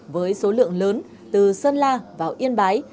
với số lượng lớn từ sơn la vào yên bái